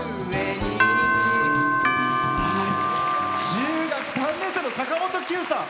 中学３年生の坂本九さん。